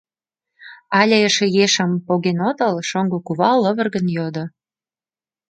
Але эше ешым поген отыл? — шоҥго кува лывыргын йодо.